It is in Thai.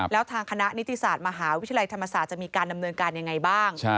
แล้วทางคณะนิติศาสตร์มหาวิทยาลัยธรรมศาสตร์จะมีการดำเนินการยังไงบ้าง